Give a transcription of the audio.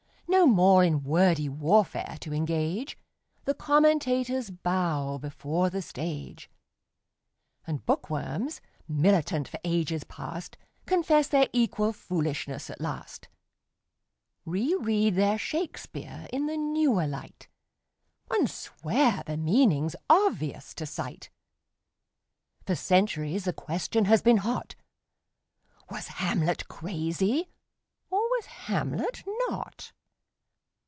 No more in wordy warfare to engage, The commentators bow before the stage, And bookworms, militant for ages past, Confess their equal foolishness at last, Reread their Shakspeare in the newer light And swear the meaning's obvious to sight. For centuries the question has been hot: Was Hamlet crazy, or was Hamlet not?